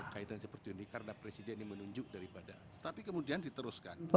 kaitan seperti ini karena presiden ini menunjuk daripada